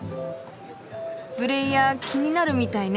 プレーヤー気になるみたいね。